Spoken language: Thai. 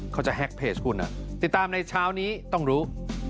แฮ็กเพจคุณติดตามในเช้านี้ต้องรู้